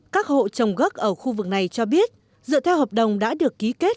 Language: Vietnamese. các hộ trồng gốc ở khu vực này cho biết dựa theo hợp đồng đã được ký kết